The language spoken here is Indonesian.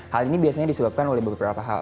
hal ini biasanya disebabkan oleh beberapa hal